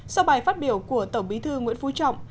sau bài phát biểu của tổng bí thư nguyễn phú trọng